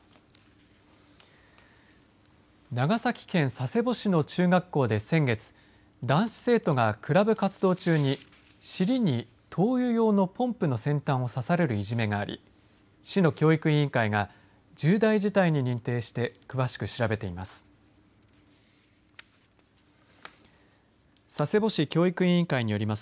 長崎県佐世保市の中学校で先月、男子生徒がクラブ活動中に尻に灯油用のポンプの先端を挿されるいじめがあり市の教育委員会が重大事態に認定して詳しく調べています。